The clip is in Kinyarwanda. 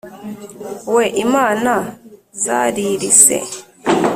we i mana zarirse